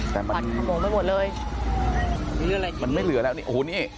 แต่บัตรขโมงไปหมดเลยมันไม่เหลือแล้วนี่โอ้โหนี่